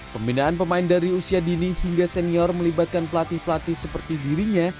pembinaan pemain dari usia dini hingga senior melibatkan pelatih pelatih seperti dirinya